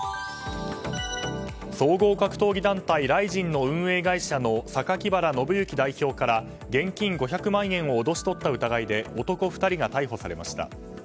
総合格闘技団体ＲＩＺＩＮの運営団体の榊原信行代表から現金５００万円を脅し取った疑いで男２人が逮捕されました。